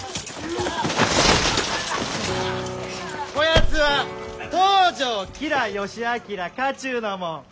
こやつは東条吉良義昭家中のもん。